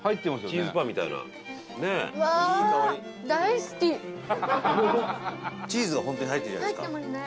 東山：チーズが本当に入ってるじゃないですか。